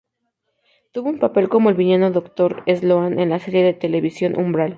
Tuvo un papel como el villano doctor Sloan en la serie de televisión "Umbral".